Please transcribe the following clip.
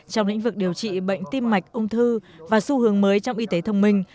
trong lĩnh vực điều trị bệnh tim mạch ung thư và xu hướng mới trong y tế thông minh